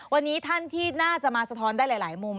วันนี้ท่านที่น่าจะมาสะท้อนได้หลายมุม